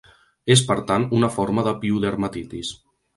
És per tant una forma de piodermatitis.